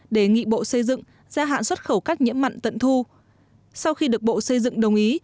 đề nghị bộ xây dựng gia hạn xuất khẩu các nhiễm mặn tận thu sau khi được bộ xây dựng đồng ý